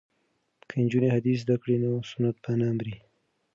که نجونې حدیث زده کړي نو سنت به نه مري.